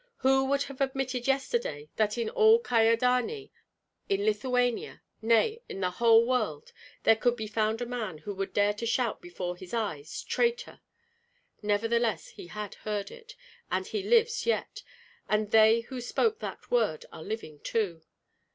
Who would have admitted yesterday that in all Kyedani, in Lithuania, nay, in the whole world, there could be found a man who would dare to shout before his eyes, "Traitor!" Nevertheless he had heard it, and he lives yet, and they who spoke that word are living too.